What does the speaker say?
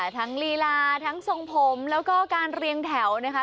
ลีลาทั้งทรงผมแล้วก็การเรียงแถวนะคะ